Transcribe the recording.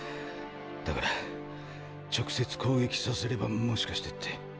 だから直接攻撃させればもしかしてって。